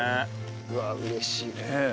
うわあ嬉しいね。